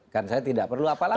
kan saya tidak perlu apa lagi